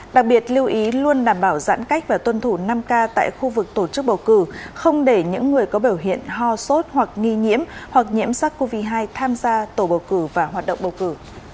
đặc biệt lưu ý luôn đảm bảo giãn cách và tuân thủ năm k tại khu vực tổ chức bầu cử không để những người có biểu hiện ho sốt hoặc nghi nhiễm hoặc nhiễm sars cov hai tham gia tổ bầu cử và hoạt động bầu cử